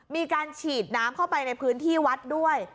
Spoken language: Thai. มีการฉีดน้ำเข้าไปในพื้นที่วัดด้วย